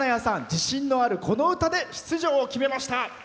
自信のあるこの歌で出場を決めました。